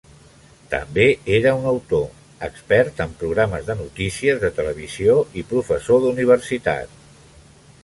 També era un autor, expert en programes de notícies de televisió i professor d'universitat.